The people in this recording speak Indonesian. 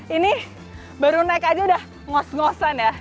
ini baru naik aja udah ngos ngosan ya